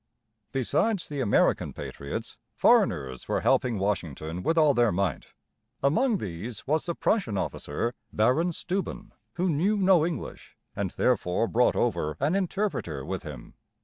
Besides the American patriots, foreigners were helping Washington with all their might. Among these was the Prussian officer, Baron Steuben, who knew no English, and therefore brought over an interpreter with him.